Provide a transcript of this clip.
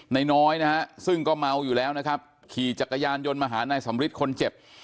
น้อยนะฮะซึ่งก็เมาอยู่แล้วนะครับขี่จักรยานยนต์มาหานายสำริทคนเจ็บ